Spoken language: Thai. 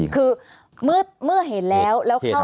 คือเมื่อเห็นแล้ว